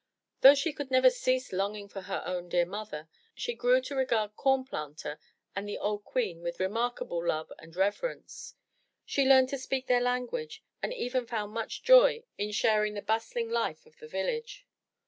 Though she could never cease longing for her own dear mother, she grew to regard Corn Planter and the Old Queen with remarkable love and reverence. She learned to speak their language and even found much joy in sharing the bustling life of the village.